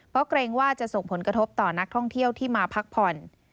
เพราะเกรงว่าจะส่งผลกระทบต่อนักท่องเที่ยวที่มาพักผ่อน